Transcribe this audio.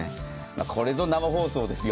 これぞ生放送ですよ。